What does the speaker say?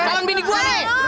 salahin bini gue